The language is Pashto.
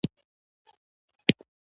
د خوب، خوراک او حرکت نظم، د بدن قوت دی.